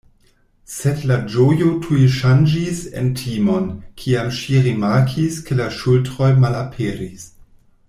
Sed la ĝojo tuj ŝanĝiĝis en timon, kiam ŝi rimarkis ke la ŝultroj malaperis.